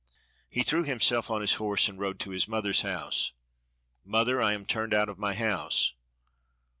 He threw himself on his horse and rode to his mother's house. "Mother, I am turned out of my house."